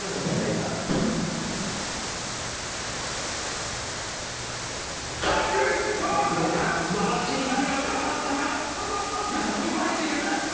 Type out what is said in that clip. まわしに手がかかったか、いや、右を返している。